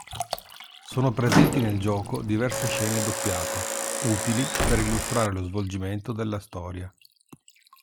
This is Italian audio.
Sono presenti nel gioco diverse scene doppiate, utili per illustrare lo svolgimento della storia.